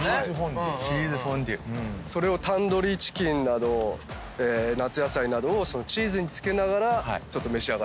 タンドリーチキンなど夏野菜などをチーズに漬けながらちょっと召し上がっていただく。